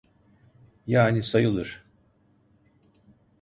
Yani sayılır.